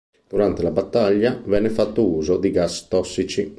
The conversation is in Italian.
Durante la battaglia venne fatto uso di gas tossici.